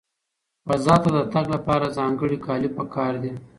فضا ته د تګ لپاره ځانګړي کالي پکار دي.